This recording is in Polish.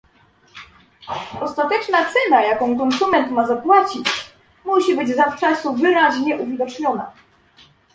Ostateczna cena, jaką konsument ma zapłacić, musi być zawczasu wyraźnie uwidoczniona